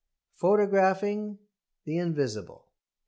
PHOTOGRAPHING THE INVISIBLE.